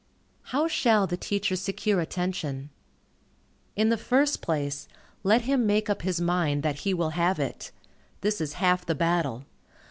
How shall the teacher secure attention? In the first place, let him make up his mind that he will have it. This is half the battle.